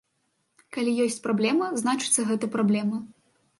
Калі ёсць праблема, значыцца, гэта праблема.